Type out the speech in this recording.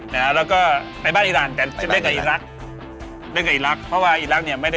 แล้วก็ไปบ้านอิรันแต่เล่นกับอิรักษ์